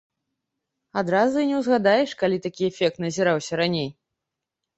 Адразу і не ўзгадаеш, калі такі эфект назіраўся раней.